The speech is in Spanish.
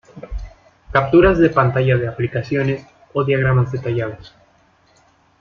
Capturas de pantalla de aplicaciones o diagramas detallados.